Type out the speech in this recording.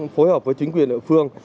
phối hợp với chính quyền lợi phương